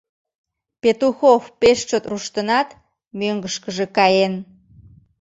Петухов пеш чот руштынат, мӧҥгышкыжӧ каен.